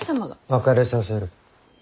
別れさせる。